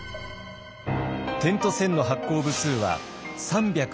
「点と線」の発行部数は３２２万部。